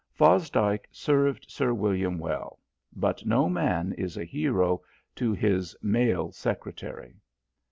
Fosdike served Sir William well, but no man is a hero to his (male) secretary.